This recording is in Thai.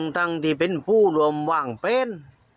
ที่เป็นผู้รวมว่างเป็น